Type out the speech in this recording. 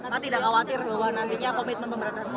pak tidak khawatir bahwa nantinya komitmen pemberantasan korupsi